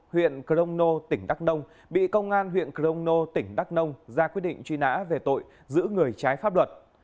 huyện crono tỉnh đắk nông bị công an huyện crono tỉnh đắk nông ra quyết định truy nã về tội giữ người trái pháp luật